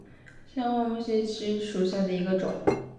香花木犀为木犀科木犀属下的一个种。